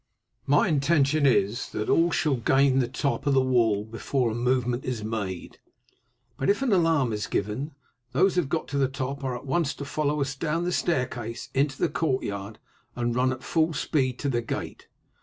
My intention is that all shall gain the top of the wall before a movement is made, but if an alarm is given, those who have got to the top are at once to follow us down the staircase into the courtyard and run at full speed to the gate.